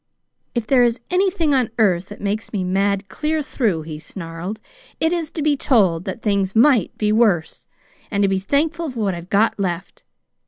"'If there is anything on earth that makes me mad clear through,' he snarled, 'it is to be told that things might be worse, and to be thankful for what I've got left.